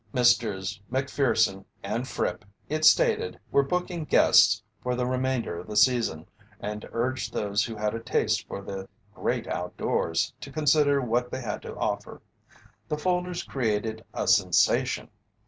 Messrs. Macpherson and Fripp, it stated, were booking guests for the remainder of the season and urged those who had a taste for the Great Outdoors to consider what they had to offer. The folders created a sensation.